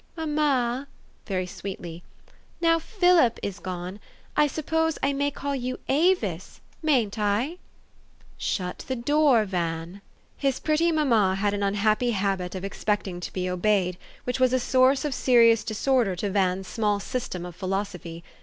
" Mamma," very sweetly, " now Philip is gone, I suppose I may call you Avis, mayn't I? " 368 THE STORY OF AVIS. " Shut the door, Van/' His pretty mamma had an unhappy habit of ex pecting to be obeyed, which was a source of serious disorder to Van's small system of philosophy.